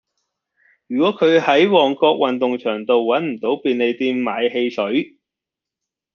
如果佢喺旺角運動場道搵唔到便利店買汽水